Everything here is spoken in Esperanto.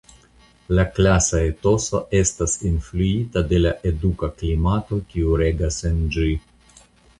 La klasa etoso estas influita de la eduka klimato kiu regas en ĝi.